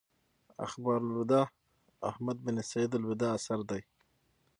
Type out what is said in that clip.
اخبار اللودي احمد بن سعيد الودي اثر دﺉ.